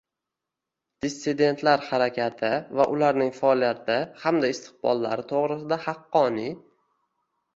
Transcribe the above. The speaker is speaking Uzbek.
“dissidentlar harakati” va ularning faoliyati hamda istiqbollari to‘g‘risida haqqoniy